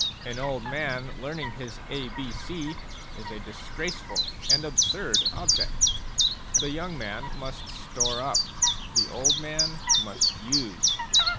An old man learning his A B C is a disgraceful and absurd object ; the young man must store up, the old man must use.